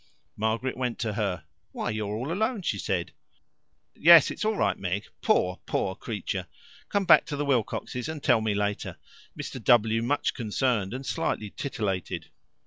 Margaret went to her. "Why, you're all alone," she said. "Yes it's all right, Meg Poor, poor creature " "Come back to the Wilcoxes and tell me later Mr. W. much concerned, and slightly titillated."